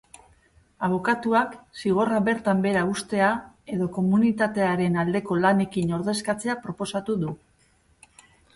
Abokatuak zigorra bertan behera uztea edo komunitatearen aldeko lanekin ordezkatzea proposatu du.